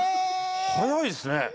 早いですね。